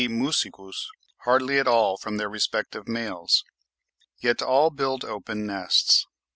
musicus) hardly at all from their respective males; yet all build open nests.